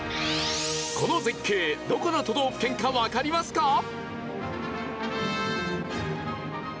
この絶景どこの都道府県かわかりますか？